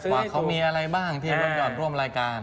ว่าเขามีอะไรบ้างที่รถยอดร่วมรายการ